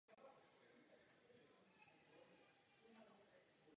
Kvalita vzorku se zvyšuje se zvýšením počtu kroků.